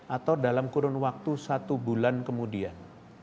atau dalam kurun waktu satu bulan kemudian